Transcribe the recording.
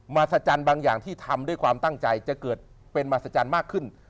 หัศจรรย์บางอย่างที่ทำด้วยความตั้งใจจะเกิดเป็นมหัศจรรย์มากขึ้น